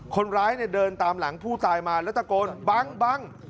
คนร้ายเนี่ยเดินตามหลังผู้ตายมาแล้วตะโกนบัง